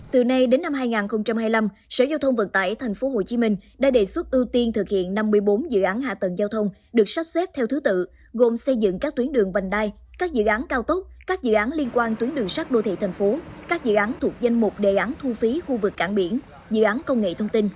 từ nay đến năm hai nghìn hai mươi năm sở giao thông vận tải tp hcm đã đề xuất ưu tiên thực hiện năm mươi bốn dự án hạ tầng giao thông được sắp xếp theo thứ tự gồm xây dựng các tuyến đường vành đai các dự án cao tốc các dự án liên quan tuyến đường sắt đô thị thành phố các dự án thuộc danh mục đề án thu phí khu vực cảng biển dự án công nghệ thông tin